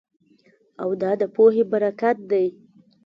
او دا د پوهې برکت دی